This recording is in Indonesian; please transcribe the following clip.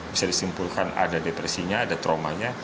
bisa disimpulkan ada depresinya ada traumanya